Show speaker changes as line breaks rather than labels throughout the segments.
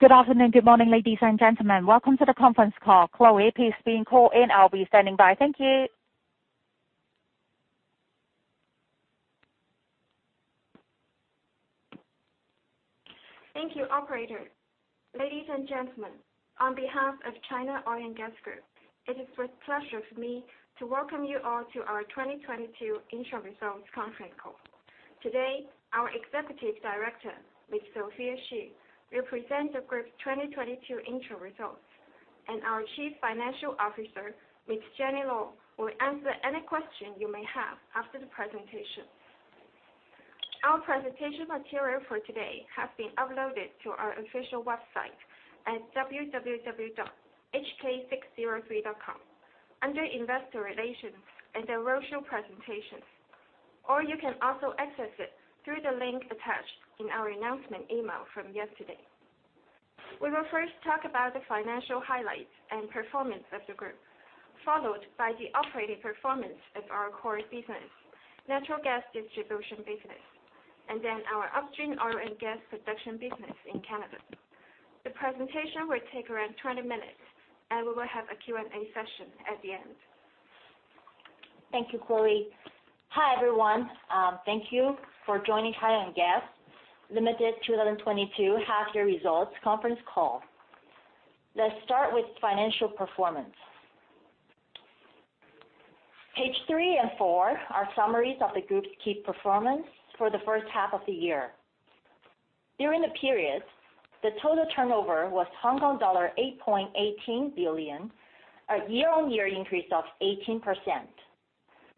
Thank you, operator. Ladies and gentlemen, on behalf of China Oil and Gas Group, it is with pleasure for me to welcome you all to our 2022 Interim Results Conference Call. Today, our Executive Director, Ms. Ran Xu, will present the group's 2022 interim results, and our Chief Financial Officer, Ms. Yin Shan Law, will answer any question you may have after the presentation. Our presentation material for today has been uploaded to our official website at www.chinaoilgas.com.hk under Investor Relations and the Roadshow Presentations. Or you can also access it through the link attached in our announcement email from yesterday. We will first talk about the financial highlights and performance of the group, followed by the operating performance of our core business, natural gas distribution business, and then our upstream oil and gas production business in Canada. The presentation will take around 20 minutes, and we will have a Q&A session at the end.
Thank you, Coyee. Hi, everyone. Thank you for joining China Oil and Gas Group Limited 2022 half year results conference call. Let's start with financial performance. Page three and four are summaries of the group's key performance for the first half of the year. During the period, the total turnover was Hong Kong dollar 8.18 billion, a year-on-year increase of 18%.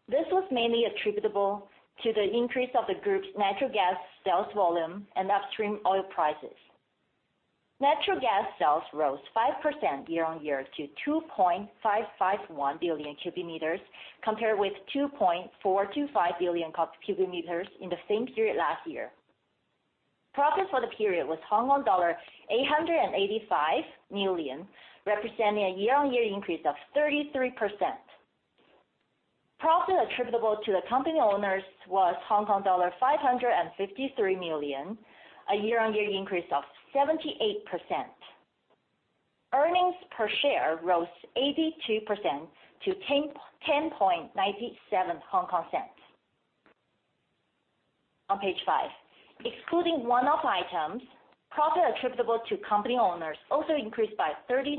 This was mainly attributable to the increase of the group's natural gas sales volume and upstream oil prices. Natural gas sales rose 5% year-on-year to 2.551 billion cubic meters compared with 2.425 billion cubic meters in the same period last year. Profit for the period was Hong Kong dollar 885 million, representing a year-on-year increase of 33%. Profit attributable to the company owners was Hong Kong dollar 553 million, a year-on-year increase of 78%. Earnings per share rose 82% to 10.97 HK cents. On page five Excluding one-off items, profit attributable to company owners also increased by 39%.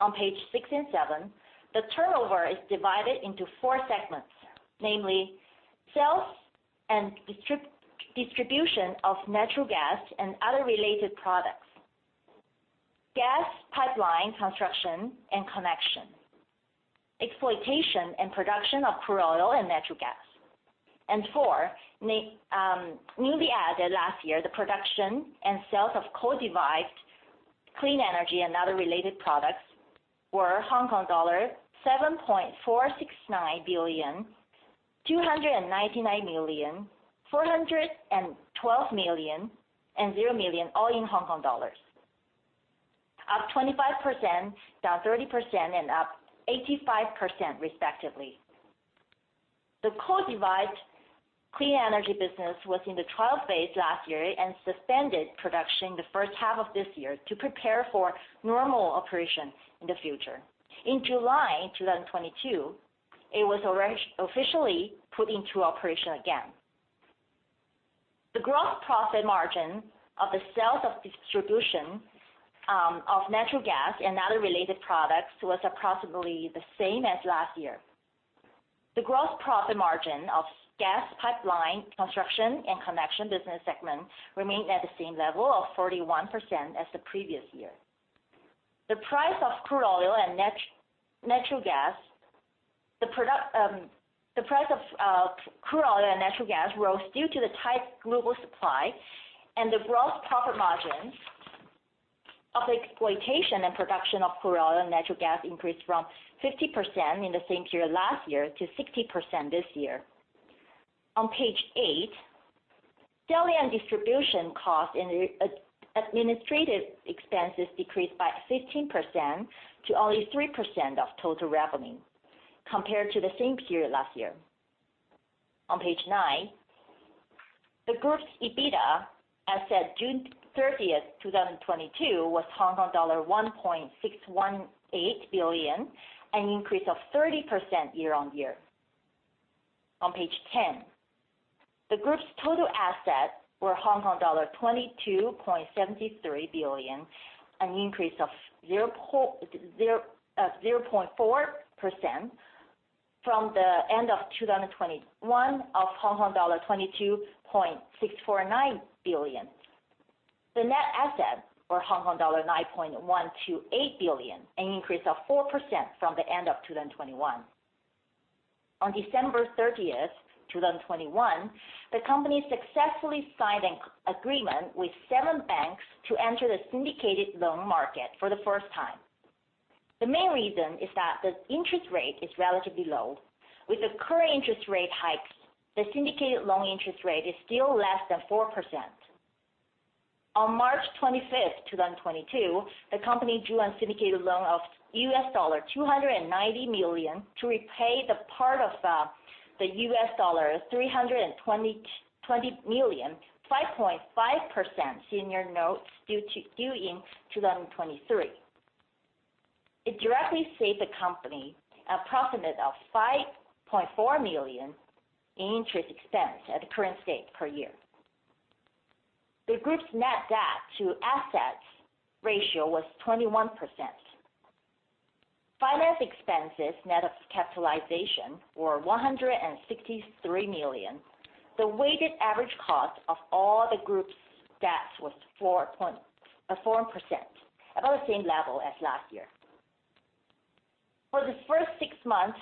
On pages six and seven the turnover is divided into four segments, namely, sales and distribution of natural gas and other related products, gas pipeline construction and connection, exploitation and production of crude oil and natural gas. Four, newly added last year, the production and sales of coal-derived clean energy and other related products were Hong Kong dollars 7.469 billion, 299 million, 412 million, and 0 million, all in Hong Kong dollars. Up 25%, down 30%, and up 85% respectively. The coal-derived clean energy business was in the trial phase last year and suspended production in the first half of this year to prepare for normal operation in the future. In July 2022, it was officially put into operation again. The gross profit margin of the sales and distribution of natural gas and other related products was approximately the same as last year. The gross profit margin of gas pipeline construction and connection business segment remained at the same level of 41% as the previous year. The price of crude oil and natural gas rose due to the tight global supply and the gross profit margins of exploitation and production of crude oil and natural gas increased from 50% in the same period last year to 60% this year. On page eight, selling and distribution costs and administrative expenses decreased by 15% to only 3% of total revenue compared to the same period last year. On page nine, the group's EBITDA, as at June 30th, 2022, was Hong Kong dollar 1.618 billion, an increase of 30% year-on-year. On page 10, the group's total assets were Hong Kong dollar 22.73 billion, an increase of 0.4% from the end of 2021 of Hong Kong dollar 22.649 billion. The net assets were Hong Kong dollar 9.128 billion, an increase of 4% from the end of 2021. On December 30th, 2021, the company successfully signed an agreement with seven banks to enter the syndicated loan market for the first time. The main reason is that the interest rate is relatively low. With the current interest rate hikes, the syndicated loan interest rate is still less than 4%. On March 25th, 2022, the company drew a syndicated loan of $290 million to repay the part of the $320 million, 5.5% senior notes due in 2023. It directly saved the company approximately $5.4 million in interest expense at the current state per year. The group's net debt to assets ratio was 21%. Finance expenses, net of capitalization, were 163 million. The weighted average cost of all the group's debts was 4%, about the same level as last year. For the first six months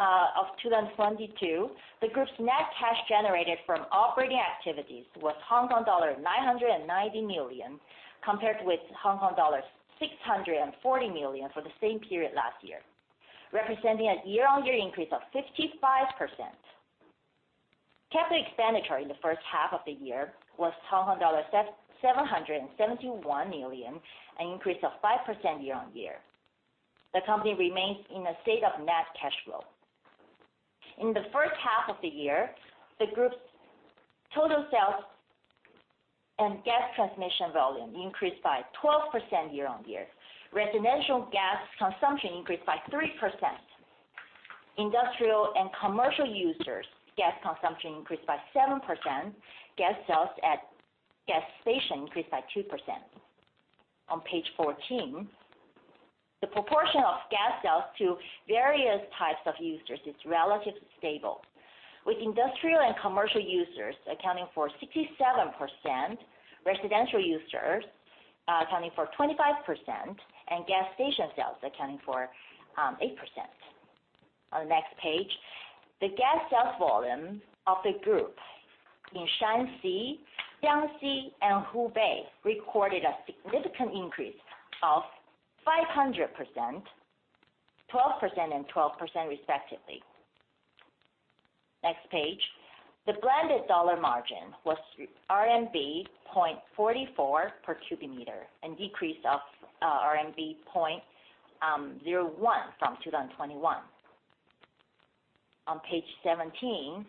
of 2022, the group's net cash generated from operating activities was Hong Kong dollar 990 million, compared with Hong Kong dollar 640 million for the same period last year, representing a year-on-year increase of 55%. Capital expenditure in the first half of the year was HKD 771 million, an increase of 5% year-on-year. The company remains in a state of net cash flow. In the first half of the year, the group's total sales and gas transmission volume increased by 12% year-on-year. Residential gas consumption increased by 3%. Industrial and commercial users gas consumption increased by 7%. Gas sales at gas stations increased by 2%. On page 14, the proportion of gas sales to various types of users is relatively stable, with industrial and commercial users accounting for 67%, residential users accounting for 25%, and gas station sales accounting for 8%. On the next page, the gas sales volume of the group in Shaanxi, Jiangxi, and Hubei recorded a significant increase of 500%, 12% and 12% respectively. Next page. The blended dollar margin was RMB 0.44 per cubic meter, a decrease of RMB 0.01 from 2021. On page 17,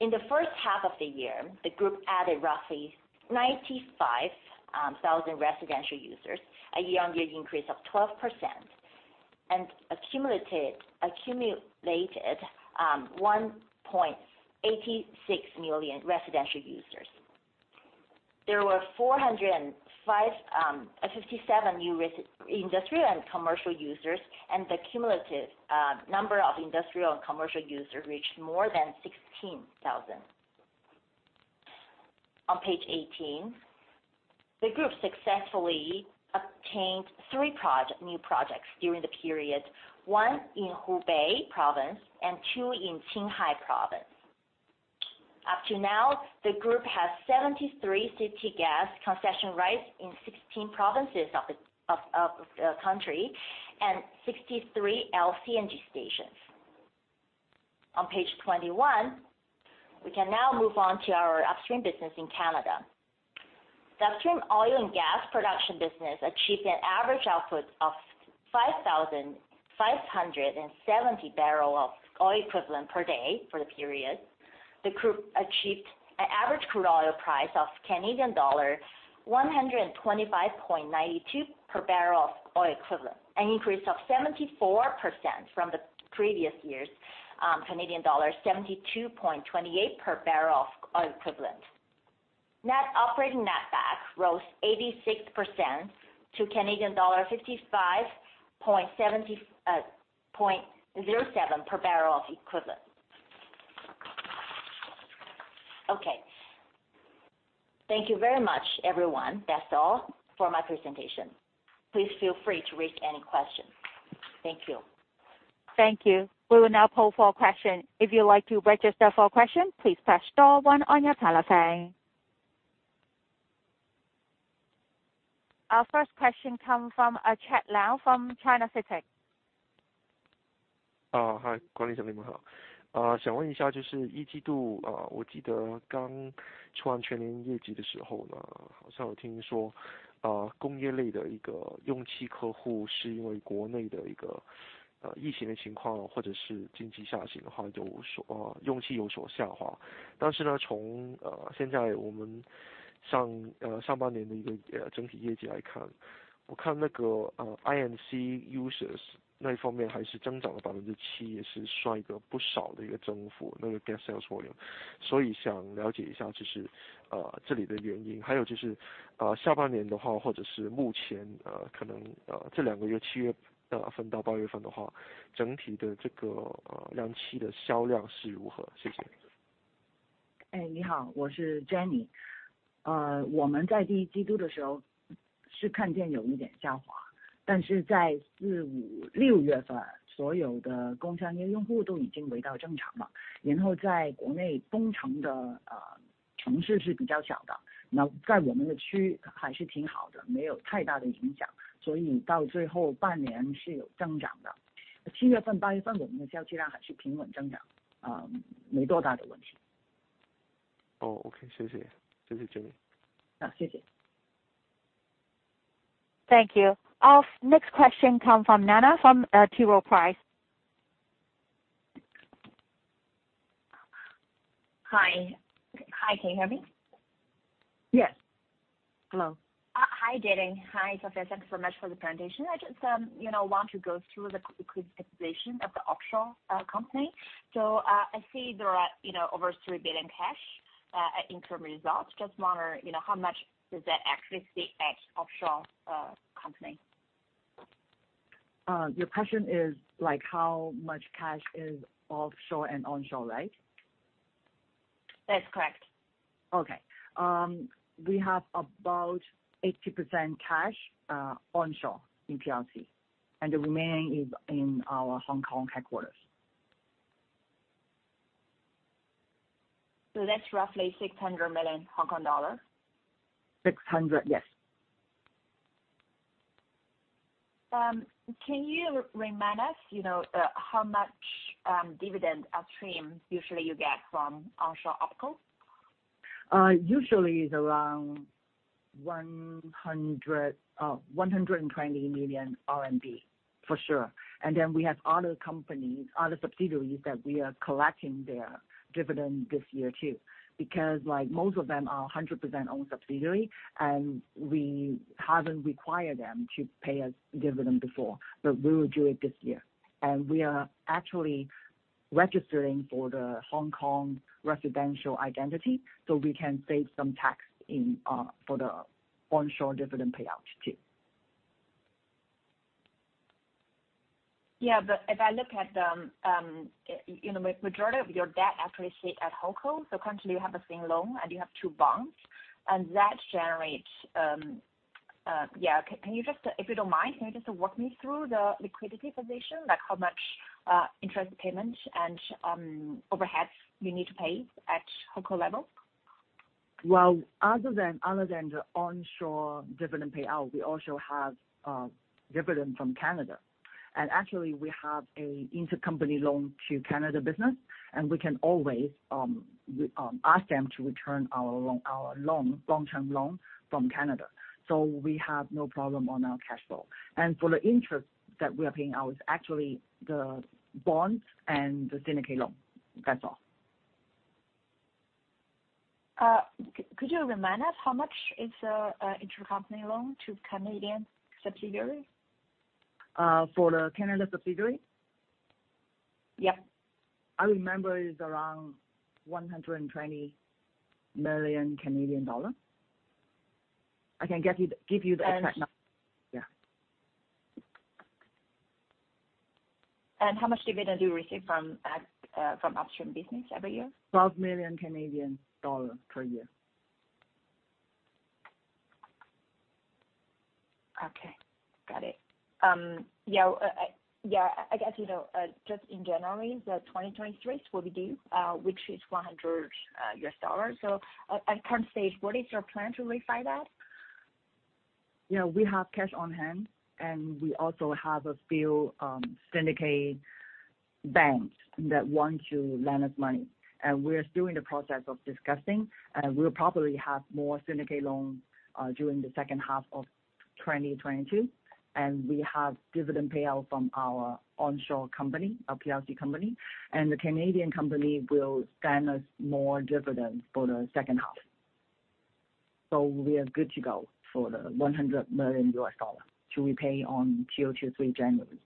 in the first half of the year, the group added roughly 95,000 residential users, a year-on-year increase of 12%, and accumulated 1.86 million residential users. There were 457 new industrial and commercial users, and the cumulative number of industrial and commercial users reached more than 16,000. On page 18, the group successfully obtained three new projects during the period, one in Hubei Province and two in Qinghai Province. Up to now, the group has 73 city gas concession rights in 16 provinces of the country and 63 LNG stations. On page 21, we can now move on to our upstream business in Canada. The upstream oil and gas production business achieved an average output of 5,570 barrels of oil equivalent per day for the period. The group achieved an average crude oil price of Canadian dollar 125.92 per barrel of oil equivalent, an increase of 74% from the previous year's Canadian dollar 72.28 per barrel of oil equivalent. Net operating netback rose 86% to 55.07 per barrel of oil equivalent. Okay. Thank you very much, everyone. That's all for my presentation. Please feel free to raise any question. Thank you.
Thank you. We will now poll for question. If you'd like to register for a question, please press star one on your telephone. Our first question come from Chad Lao from CITIC Securities.
Hi.
Seven month, eight month, our sales volume is still stable growth, not a big problem.
Oh, okay. Thank you. Thank you, Yin Shan Law.
Yeah, thank you.
Thank you. Our next question come from Nan Nan from T. Rowe Price.
Hi. Hi, can you hear me?
Yes. Hello.
Hi, Ran Xu. Hi Yin Shan Law. Thanks so much for the presentation. I just, you know, want to go through the liquidity position of the offshore company. I see there are, you know, over 3 billion cash in interim results. Just wonder, you know, how much does that actually sit at offshore company?
Your question is like how much cash is offshore and onshore, right?
That's correct.
We have about 80% cash onshore in PRC, and the remaining is in our Hong Kong headquarters.
That's roughly 600 million Hong Kong dollars?
600, yes.
Can you remind us, you know, how much dividend upstream usually you get from onshore OpCo?
Usually it's around 120 million RMB, for sure. Then we have other companies, other subsidiaries that we are collecting their dividend this year too. Because like most of them are 100% owned subsidiary, and we haven't required them to pay us dividend before, but we will do it this year. We are actually registering for the Hong Kong residential identity, so we can save some tax in for the onshore dividend payout too.
Yeah. If I look at, you know, majority of your debt actually sits at Holdco. Currently you have a single loan and you have two bonds, and that generates. Yeah. Can you just, if you don't mind, can you just walk me through the liquidity position? Like how much interest payments and overheads you need to pay at Holdco level?
Other than the onshore dividend payout, we also have dividend from Canada. Actually we have an intercompany loan to Canada business, and we can always ask them to return our long-term loan from Canada. We have no problem on our cash flow. For the interest that we are paying out is actually the bonds and the syndicated loan. That's all.
Could you remind us how much is intercompany loan to Canadian subsidiary?
For the Canada subsidiary?
Yeah.
I remember it's around 120 million Canadian dollars. I can give you the exact number.
And-
Yeah.
How much dividend do you receive from upstream business every year?
12 million Canadian dollars per year.
Okay. Got it. Yeah, I guess, you know, just in January 2023 will be due, which is $100. At current stage, what is your plan to refi that?
You know, we have cash on hand, and we also have a few syndicated banks that want to lend us money. We're still in the process of discussing, and we'll probably have more syndicated loans during the second half of 2022. We have dividend payout from our onshore company, our PRC company, and the Canadian company will lend us more dividends for the second half. We are good to go for the $100 million to repay on Q2, Q3, January.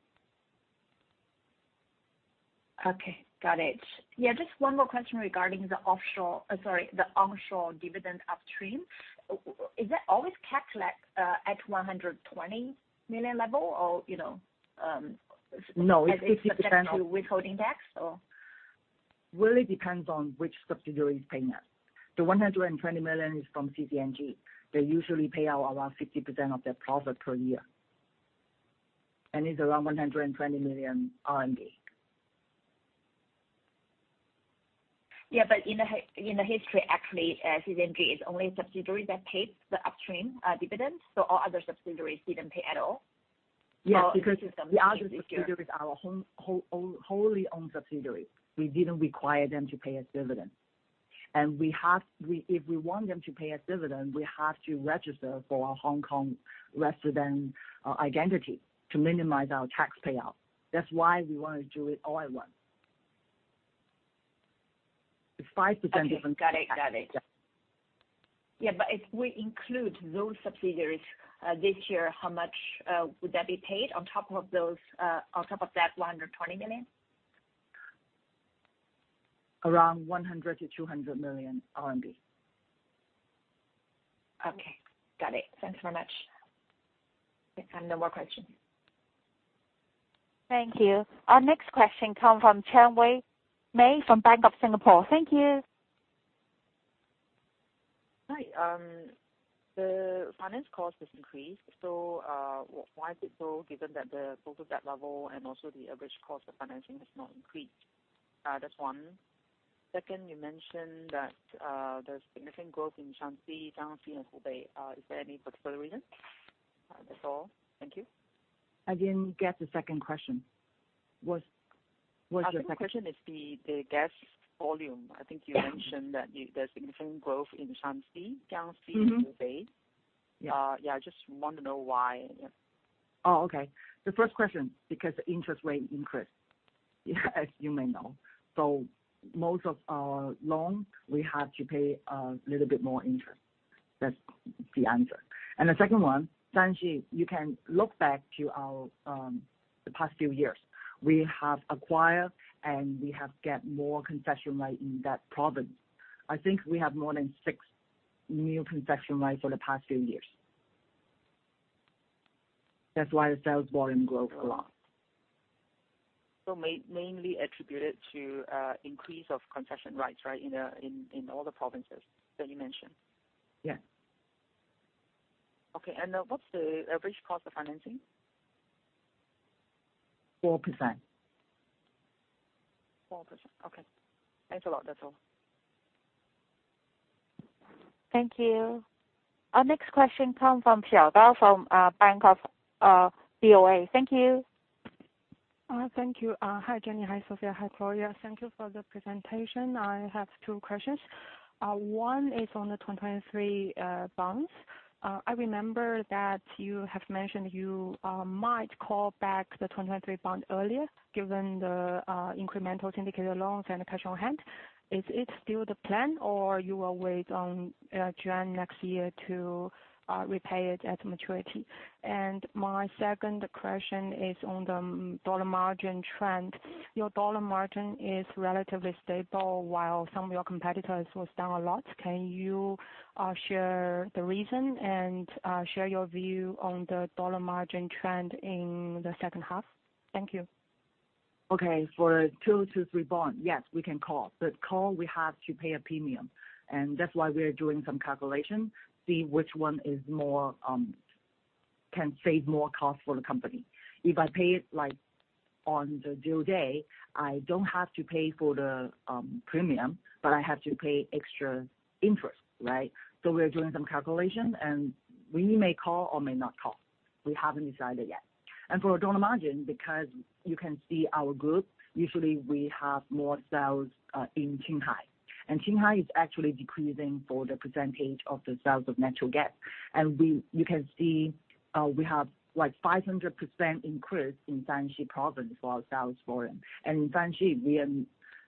Okay. Got it. Yeah, just one more question regarding the offshore. Sorry, the onshore dividend upstream. Is that always capped at at 120 million level or, you know,
No, it's 50% of.
Is it subject to withholding tax or?
Really depends on which subsidiary is paying us. The 120 million is from CCNG. They usually pay out around 50% of their profit per year, and it's around CNY 120 million RMB.
In the history, actually, CCNG is only a subsidiary that pays the upstream dividends, so all other subsidiaries didn't pay at all?
Yeah, because the other subsidiaries are our wholly owned subsidiaries. We didn't require them to pay us dividend. If we want them to pay us dividend, we have to register for our Hong Kong resident identity to minimize our tax payout. That's why we wanna do it all at once. The 5% difference.
Okay. Got it.
Yeah.
Yeah, if we include those subsidiaries, this year, how much would that be paid on top of those on top of that 120 million?
Around 100 million-200 million RMB.
Okay. Got it. Thanks very much. I have no more question.
Thank you. Our next question come from Tan Wei Mei from Bank of Singapore. Thank you.
Hi. The finance cost has increased. Why is it so, given that the total debt level and also the average cost of financing has not increased? That's one. Second, you mentioned that, there's significant growth in Shaanxi, Jiangxi and Hubei. Is there any particular reason? That's all. Thank you.
I didn't get the second question. What's your second-
I think the question is the gas volume. I think you mentioned that there's significant growth in Shaanxi, Jiangxi-
Mm-hmm.
Hubei.
Yeah.
Yeah, just want to know why. Yeah.
Oh, okay. The first question, because interest rate increased, as you may know. Most of our loan, we have to pay a little bit more interest. That's the answer. The second one, Shaanxi, you can look back to our, the past few years. We have acquired and we have get more concession right in that province. I think we have more than six new concession rights for the past few years. That's why the sales volume growth a lot.
Mainly attributed to increase of concession rights, right, in all the provinces that you mentioned?
Yes.
Okay. What's the average cost of financing?
4%.
4%. Okay. Thanks a lot. That's all.
Thank you. Our next question come from Xiao Gao from Bank of America. Thank you.
Thank you. Hi, Yin Shan Law. Hi, Ran Xu. Hi, Gloria. Thank you for the presentation. I have two questions. One is on the 2023 bonds. I remember that you have mentioned you might call back the 2023 bond earlier given the incremental syndicated loans and the cash on hand. Is it still the plan or you will wait on June next year to repay it at maturity? My second question is on the dollar margin trend. Your dollar margin is relatively stable while some of your competitors was down a lot. Can you share the reason and share your view on the dollar margin trend in the second half? Thank you.
Okay. For two to three bond, yes, we can call. Call, we have to pay a premium, and that's why we are doing some calculation, see which one is more, can save more cost for the company. If I pay it like on the due day, I don't have to pay for the, premium, but I have to pay extra interest, right? We are doing some calculation, and we may call or may not call. We haven't decided yet. For dollar margin, because you can see our group, usually we have more sales, in Qinghai, and Qinghai is actually decreasing for the percentage of the sales of natural gas. You can see, we have like 500% increase in Shaanxi province for our sales volume. In Shaanxi, we are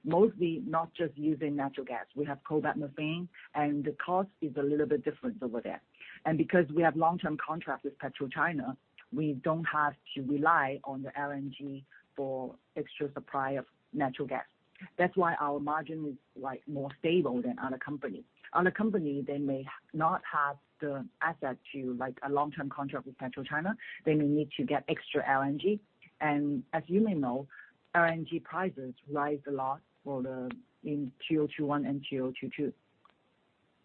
mostly not just using natural gas. We have coalbed methane, and the cost is a little bit different over there. Because we have long-term contract with PetroChina, we don't have to rely on the LNG for extra supply of natural gas. That's why our margin is like more stable than other company. Other company, they may not have the asset to like a long-term contract with PetroChina. They may need to get extra LNG. As you may know, LNG prices rise a lot in Q2 2021 and Q2 2022.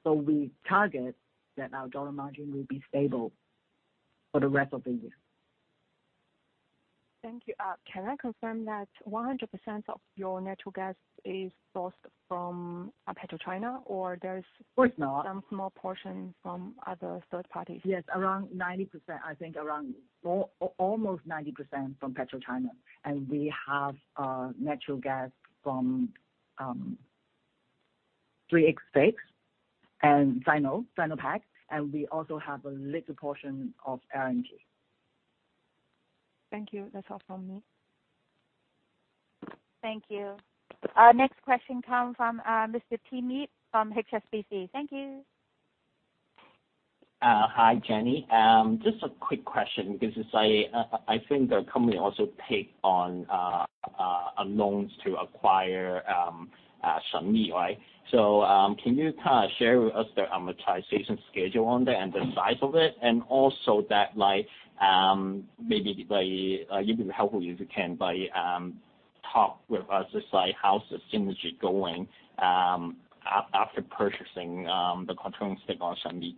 We target that our dollar margin will be stable for the rest of the year.
Thank you. Can I confirm that 100% of your natural gas is sourced from PetroChina, or there's-
Of course not.
some small portion from other third parties?
Yes. Around 90%. I think almost 90% from PetroChina. We have natural gas from CNOOC and Sinopec, and we also have a little portion of LNG.
Thank you. That's all from me.
Thank you. Our next question come from, Mr. Timmy from HSBC. Thank you.
Hi, Yin Shan Law. Just a quick question because as I think the company also take on a loans to acquire Shengli, right? Can you kind of share with us the amortization schedule on there and the size of it, and also that like, maybe like, it would be helpful if you can like, talk with us as like how's the synergy going after purchasing the controlling stake on Shengli?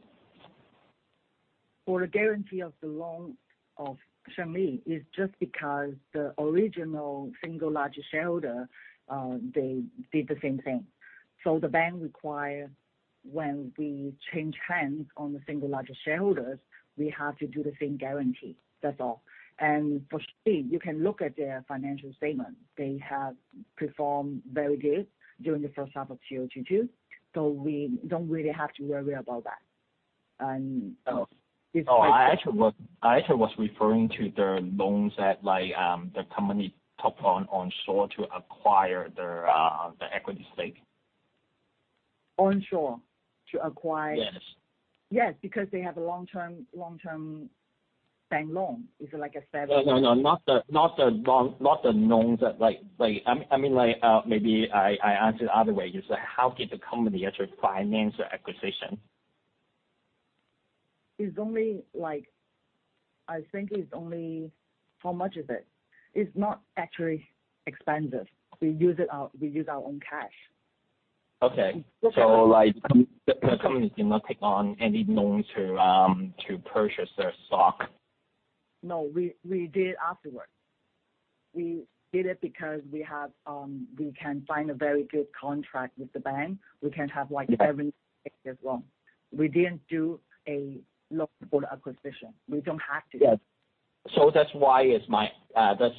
For the guarantee of the loan of Shengli is just because the original single largest shareholder, they did the same thing. The bank require when we change hands on the single largest shareholders, we have to do the same guarantee. That's all. For Shengli, you can look at their financial statement. They have performed very good during the first half of Q2 2022, so we don't really have to worry about that.
Oh.
It's quite-
Oh, I actually was referring to the loans that, like, the company took on onshore to acquire their equity stake.
Onshore to acquire?
Yes.
Yes, because they have a long-term bank loan. It's like a seven-
No, not the loan, not the loans that like I mean like, maybe I ask it other way. Just like how did the company actually finance the acquisition?
It's only like, I think it's only. How much is it? It's not actually expensive. We use our own cash.
Okay.
So for the-
Like the company did not take on any loans to purchase their stock?
No, we did afterwards. We did it because we have, we can find a very good contract with the bank. We can have like seven to eight years loan. We didn't do a loan for acquisition. We don't have to.
Yes. That's why. That's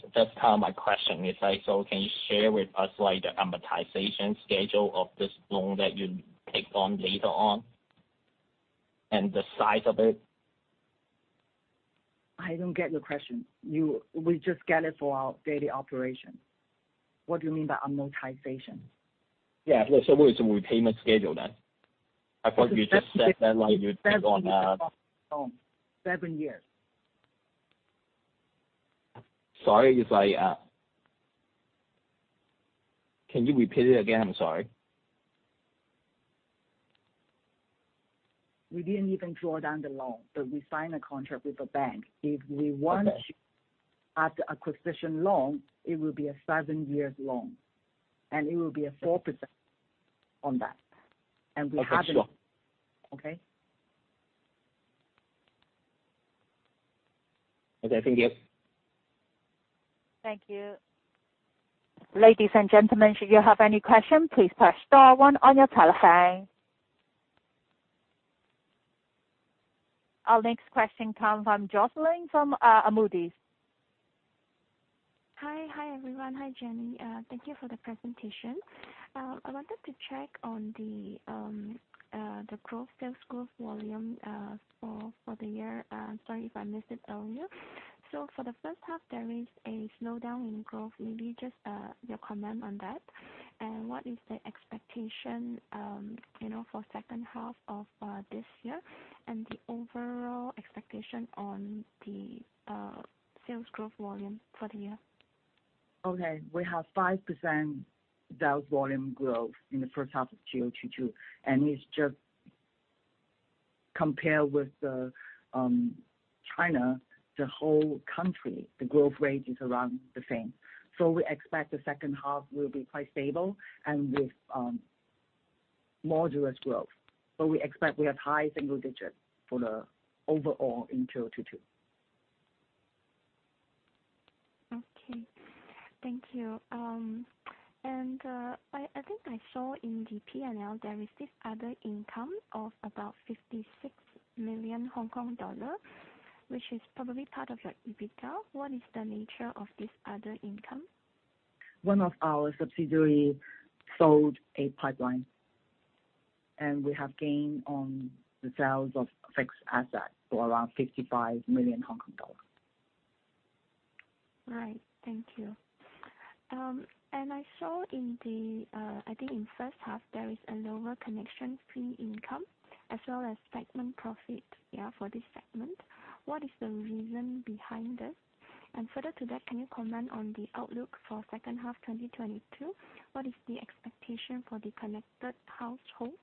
kind of my question. It's like, so can you share with us like the amortization schedule of this loan that you take on later on and the size of it?
I don't get your question. We just get it for our daily operation. What do you mean by amortization?
Yeah. It's a repayment schedule then. I thought you just said that like you take on a.
Seven years.
Sorry, it's like, can you repeat it again? I'm sorry.
We didn't even draw down the loan, but we signed a contract with the bank. If we want.
Okay.
to add the acquisition loan, it will be a seven-year loan, and it will be 4% on that. We haven't-
Okay, sure.
Okay?
Okay, thank you.
Thank you. Ladies and gentlemen, should you have any question, please press star one on your telephone. Our next question comes from Jocelyn from Moody's.
Hi. Hi, everyone. Hi, Jenny. Thank you for the presentation. I wanted to check on the growth, sales growth volume for the year. Sorry if I missed it earlier. For the first half, there is a slowdown in growth. Maybe just your comment on that. What is the expectation, you know, for second half of this year and the overall expectation on the sales growth volume for the year?
Okay. We have 5% sales volume growth in the first half of 2022, and it's just compared with China, the whole country. The growth rate is around the same. We expect the second half will be quite stable and with moderate growth. We expect we have high single-digit% for the overall in 2022.
Okay. Thank you. I think I saw in the P&L there is this other income of about 56 million Hong Kong dollar, which is probably part of your EBITDA. What is the nature of this other income?
One of our subsidiary sold a pipeline, and we have gained on the sales of fixed asset for around 55 million Hong Kong dollars.
Right. Thank you. I saw in the, I think in first half there is a lower connection fee income as well as segment profit, yeah, for this segment. What is the reason behind this? Further to that, can you comment on the outlook for second half 2022? What is the expectation for the connected household?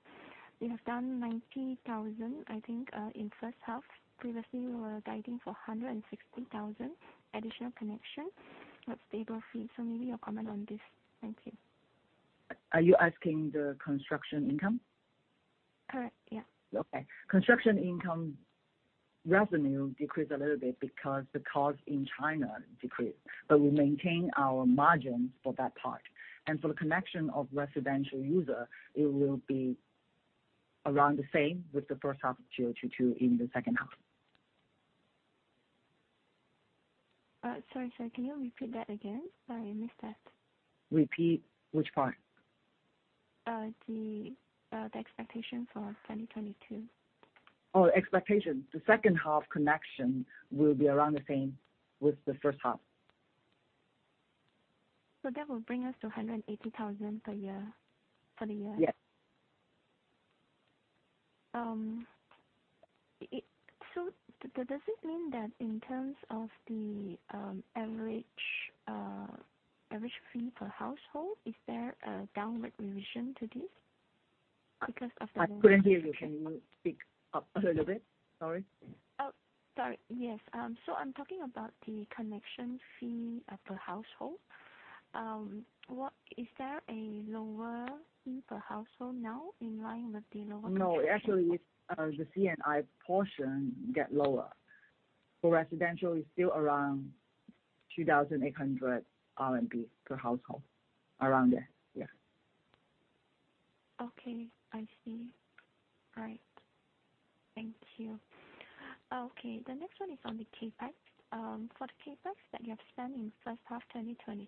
You have done 90,000, I think, in first half. Previously, you were guiding for 160,000 additional connection but stable fee. Maybe your comment on this. Thank you.
Are you asking the construction income?
Correct. Yeah.
Okay. Construction income revenue decreased a little bit because the cost in China decreased. We maintain our margins for that part. For the connection of residential user, it will be around the same with the first half of 2022 in the second half.
Sorry. Can you repeat that again? Sorry, I missed that.
Repeat which part?
The expectation for 2022.
Oh, expectation. The second half contribution will be around the same as the first half.
That will bring us to 180,000 per year, for the year?
Yes.
Does this mean that in terms of the average fee per household, is there a downward revision to this because of the-
I couldn't hear you. Can you speak up a little bit? Sorry.
Oh, sorry. Yes. I'm talking about the connection fee of the household. Is there a lower fee per household now in line with the lower connection?
No. Actually, it's the C&I portion get lower. For residential, it's still around 2,800 RMB per household, around there. Yeah.
Okay. I see. All right. Thank you. Okay. The next one is on the CapEx. For the CapEx that you have spent in first half 2022,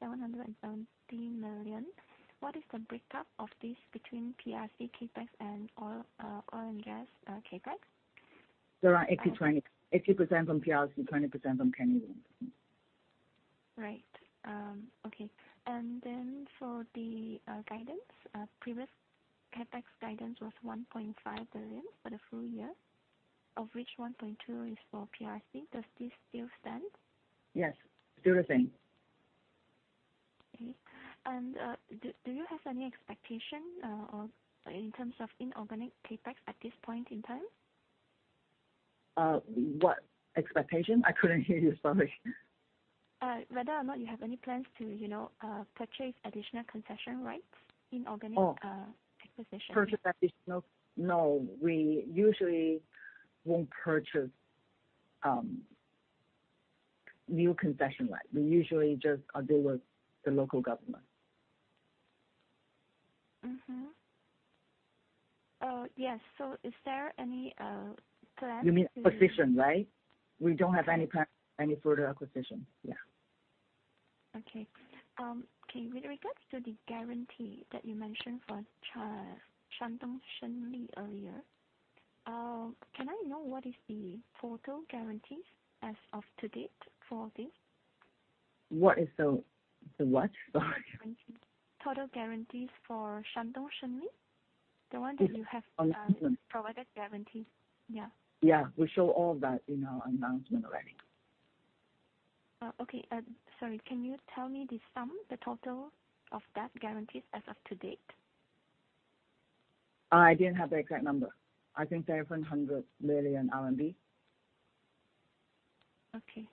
770 million. What is the breakup of this between PRC CapEx and oil and gas CapEx?
They are 80/20. 80% from PRC, 20% from Canada.
Right. Okay. For the guidance, previous CapEx guidance was 1.5 billion for the full year, of which 1.2 billion is for PRC. Does this still stand?
Yes. Still the same.
Okay. Do you have any expectation in terms of inorganic CapEx at this point in time?
What expectation? I couldn't hear you. Sorry.
Whether or not you have any plans to, you know, purchase additional concession rights in organic-
Oh.
acquisition.
No, we usually won't purchase new concession right. We usually just deal with the local government.
Mm-hmm. Yes. Is there any plan to-
You mean acquisition, right? We don't have any plan, any further acquisition. Yeah.
With regards to the guarantee that you mentioned for Shandong Shengli earlier, can I know what is the total guarantees as of to date for this?
What is the what? Sorry.
Total guarantees. Total guarantees for Shandong Shengli. The one that you have.
On this one.
Provided guarantees. Yeah.
Yeah. We show all of that in our announcement already.
Sorry. Can you tell me the sum, the total of that guarantees as of to date?
I didn't have the exact number. I think 700 million RMB.
Okay.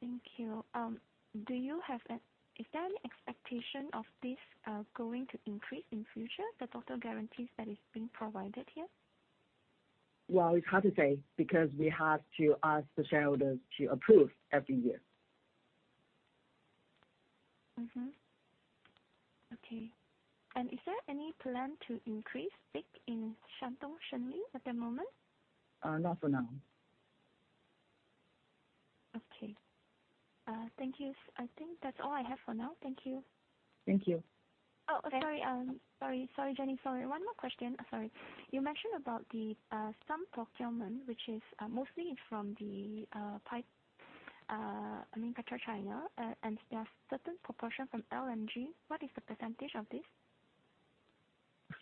Thank you. Is there any expectation of this going to increase in future, the total guarantees that is being provided here?
Well, it's hard to say because we have to ask the shareholders to approve every year.
Okay. Is there any plan to increase stake in Shandong Shengli at the moment?
Not for now.
Okay. Thank you. I think that's all I have for now. Thank you.
Thank you.
Sorry, Jenny. One more question. You mentioned about the some procurement, which is mostly from the PetroChina, and there are certain proportion from LNG. What is the percentage of this?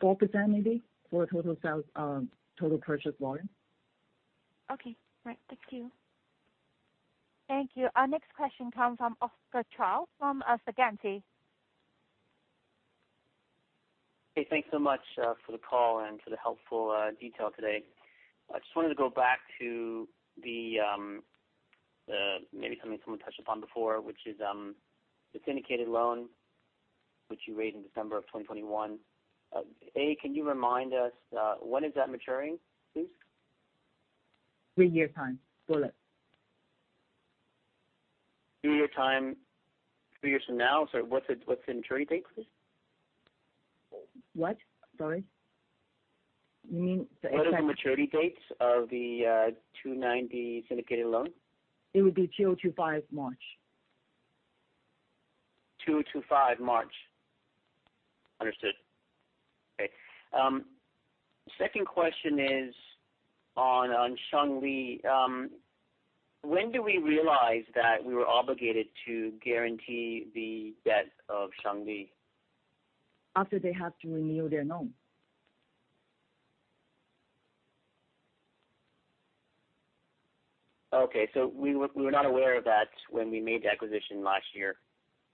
4% maybe for total sales, total purchase volume.
Okay. Right. Thank you.
Thank you. Our next question comes from Oscar Chao from Vontobel.
Hey, thanks so much for the call and for the helpful detail today. I just wanted to go back to the maybe something someone touched upon before, which is the syndicated loan which you raised in December 2021. Can you remind us when is that maturing, please?
Three-year term bullet.
Three-year time, Three years from now? Sorry, what's the maturity date, please?
What? Sorry. You mean the.
What are the maturity dates of the 290 syndicated loan?
It would be 2025 March.
2025 March. Understood. Okay. Second question is on Shengli. When do we realize that we were obligated to guarantee the debt of Shengli?
After they have to renew their loan.
Okay. We were not aware of that when we made the acquisition last year.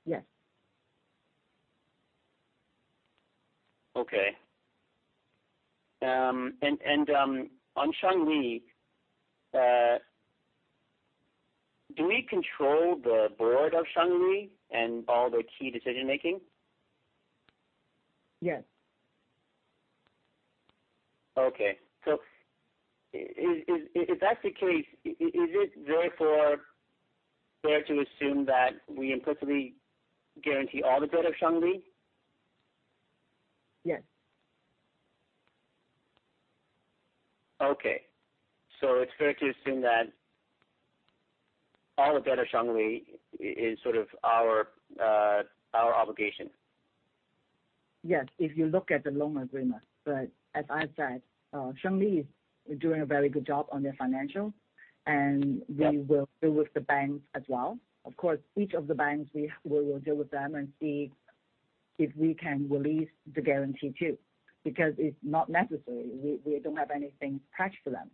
Yes.
Okay. On Shengli, do we control the board of Shengli and all the key decision-making?
Yes.
If that's the case, is it therefore fair to assume that we implicitly guarantee all the debt of Shengli?
Yes.
It's fair to assume that all the debt of Shengli is sort of our obligation.
Yes, if you look at the loan agreement. As I've said, Shengli is doing a very good job on their financial, and
Yep.
We will deal with the banks as well. Of course, each of the banks we have, we will deal with them and see if we can release the guarantee too, because it's not necessary. We don't have anything pledged to them.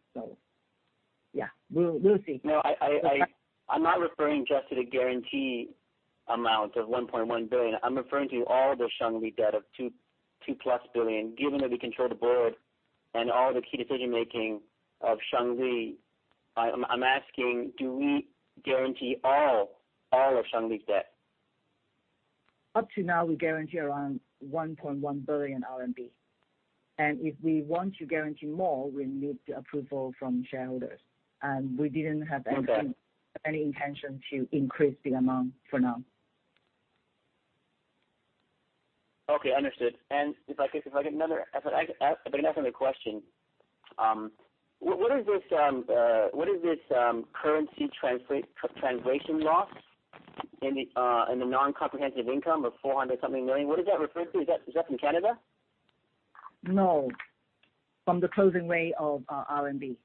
Yeah, we'll see.
No. I
Okay.
I'm not referring just to the guarantee amount of 1.1 billion. I'm referring to all the Shengli debt of 2.2+ billion. Given that we control the board and all the key decision-making of Shengli, I'm asking, do we guarantee all of Shengli's debt?
Up to now, we guarantee around 1.1 billion RMB. If we want to guarantee more, we need the approval from shareholders, and we didn't have any.
Okay.
Any intention to increase the amount for now.
Okay. Understood. If I could ask another question. What is this currency translation loss in the other comprehensive income of 400-something million? What does that refer to? Is that from Canada?
No, from the closing rate of RMB.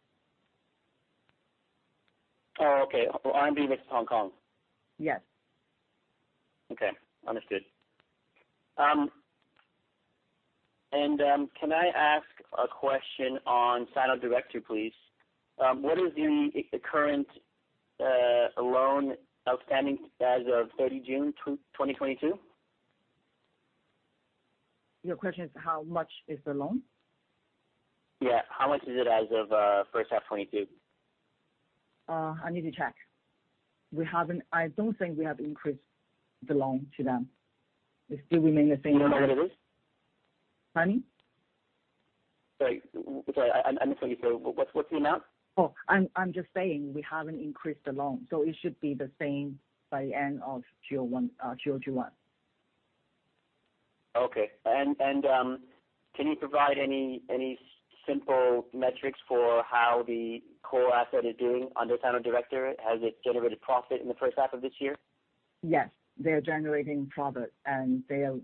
Oh, okay. RMB versus Hong Kong.
Yes.
Okay. Understood. Can I ask a question on Sino Director, please? What is the current loan outstanding as of 30th June 2022?
Your question is how much is the loan?
Yeah. How much is it as of first half 2022?
I need to check. We haven't. I don't think we have increased the loan to them. It still remains the same amount.
Do you know what it is?
Pardon?
Sorry, I'm confused. What's the amount?
I'm just saying we haven't increased the loan, so it should be the same by the end of Q2 2021.
Can you provide any simple metrics for how the core asset is doing under Sino Director? Has it generated profit in the first half of this year?
Yes. They are generating profit, and they are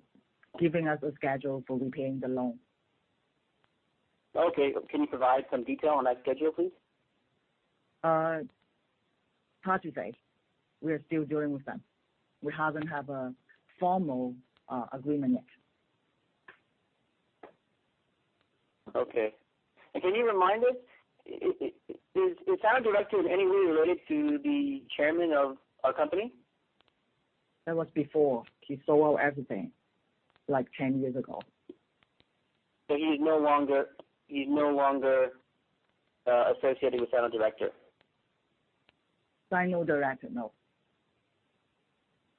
giving us a schedule for repaying the loan.
Okay. Can you provide some detail on that schedule, please?
Hard to say. We are still dealing with them. We haven't have a formal agreement yet.
Okay. Can you remind us is Sino Director in any way related to the chairman of our company?
That was before. He sold out everything like 10 years ago.
He's no longer associated with Sino Director?
Sino Director, no.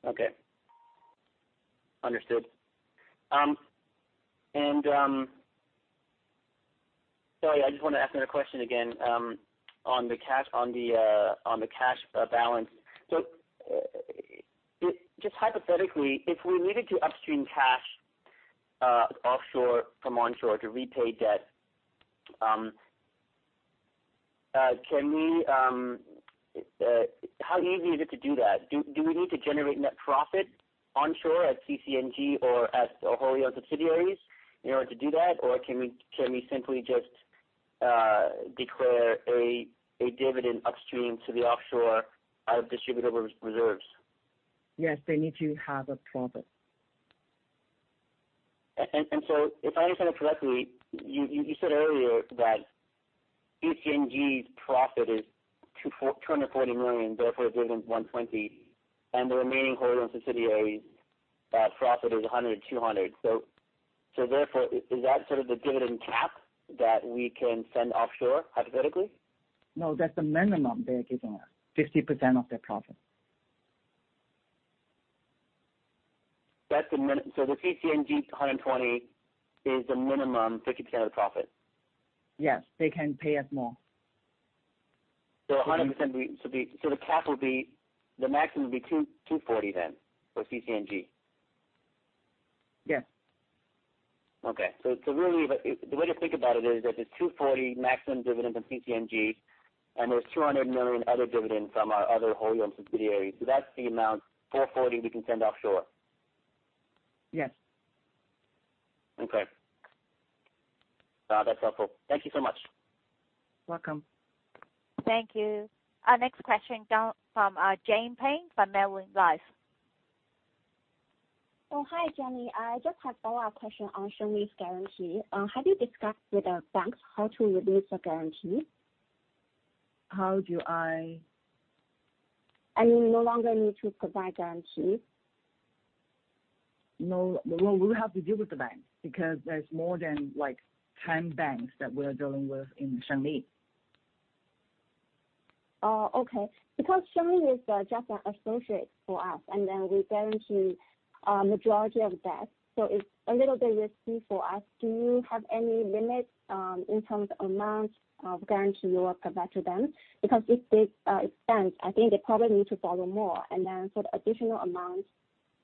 Okay. Understood. Sorry, I just wanna ask another question again on the cash balance. Just hypothetically, if we needed to upstream cash offshore from onshore to repay debt, can we. How easy is it to do that? Do we need to generate net profit onshore at CCNG or at our wholly owned subsidiaries in order to do that? Or can we simply just declare a dividend upstream to the offshore out of distributable reserves?
Yes. They need to have a profit.
If I understand correctly, you said earlier that CCNG's profit is 240 million, therefore a dividend 120 million, and the remaining wholly owned subsidiaries profit is 100 and HKD 200. Therefore, is that sort of the dividend cap that we can send offshore hypothetically?
No, that's the minimum they're giving us, 50% of their profit.
The CCNG 120 is the minimum 50% of profit.
Yes. They can pay us more.
100% will be the cap. The maximum will be 240 then for CCNG.
Yes.
Really the way to think about it is that the 240 million maximum dividend from CCNG, and there's 200 million other dividends from our other wholly owned subsidiaries. That's the amount, 440 million, we can send offshore.
Yes.
Okay. That's helpful. Thank you so much.
Welcome.
Thank you. Our next question come from Jessica Pang from Manulife.
Oh, hi, Jenny. I just have a follow-up question on Shengli's guarantee. Have you discussed with the banks how to release the guarantee?
How do I?
I mean, no longer need to provide guarantee.
No. Well, we'll have to deal with the banks because there's more than, like, 10 banks that we're dealing with in Shengli.
Oh, okay. Because Shengli is just an associate for us, and then we guarantee majority of debt, so it's a little bit risky for us. Do you have any limits in terms of amount of guarantee you will provide to them? Because if they expand, I think they probably need to borrow more. For the additional amount,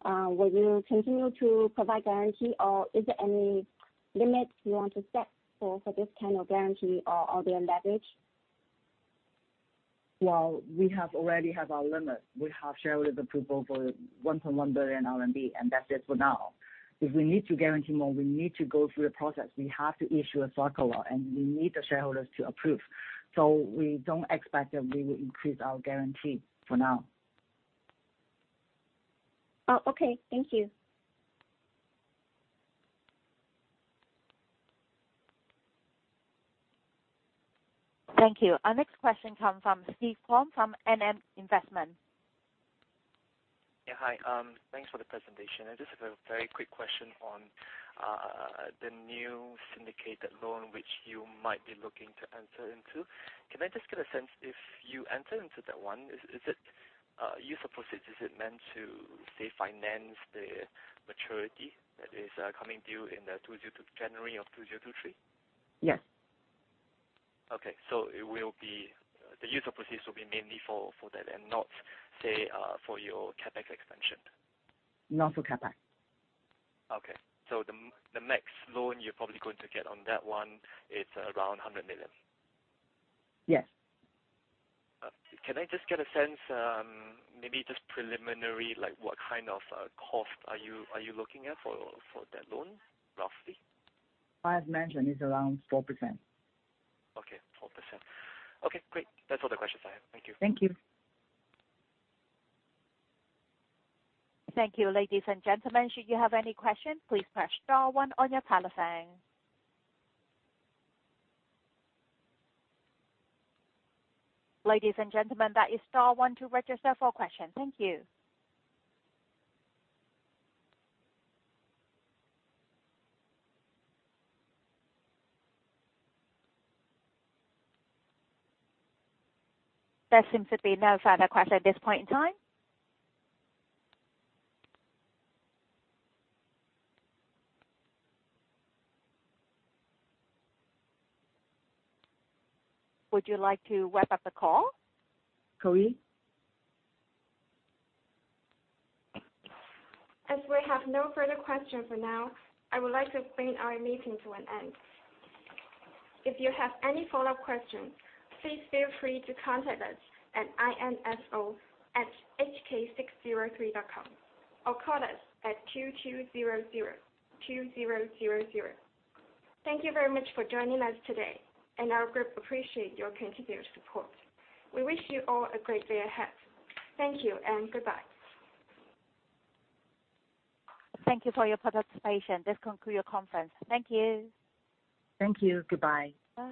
will you continue to provide guarantee, or is there any limits you want to set for this kind of guarantee or their leverage?
Well, we already have our limit. We have shareholders' approval for 1.1 billion RMB, and that's it for now. If we need to guarantee more, we need to go through the process. We have to issue a circular, and we need the shareholders to approve. We don't expect that we will increase our guarantee for now.
Oh, okay. Thank you.
Thank you. Our next question come from Steve Kwon from Northwestern Mutual Investment.
Yeah. Hi. Thanks for the presentation. I just have a very quick question on the new syndicated loan which you might be looking to enter into. Can I just get a sense if you enter into that one, is it meant to, say, finance the maturity that is coming due in January of 2023?
Yes.
The use of proceeds will be mainly for that and not, say, for your CapEx expansion.
Not for CapEx.
The max loan you're probably going to get on that one is around 100 million.
Yes.
Can I just get a sense, maybe just preliminary, like, what kind of cost are you looking at for that loan roughly?
I have mentioned, it's around 4%.
Okay, 4%. Okay, great. That's all the questions I have. Thank you.
Thank you.
Thank you. Ladies and gentlemen, should you have any questions, please press star one on your telephone. Ladies and gentlemen, that is star one to register for questions. Thank you. There seems to be no further questions at this point in time. Would you like to wrap up the call?
Coyee?
As we have no further questions for now, I would like to bring our meeting to an end. If you have any follow-up questions, please feel free to contact us at info@hk603.com or call us at 2200 2000. Thank you very much for joining us today, and our group appreciate your continued support. We wish you all a great day ahead. Thank you and goodbye. Thank you for your participation. This concludes your conference. Thank you.
Thank you. Goodbye.
Bye.